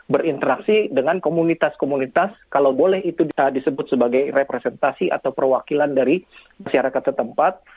berinteraksi dengan komunitas komunitas kalau boleh itu disebut sebagai representasi atau perwakilan dari masyarakat setempat